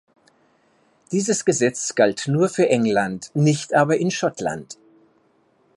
Dieses Gesetz galt nur für England, nicht aber in Schottland.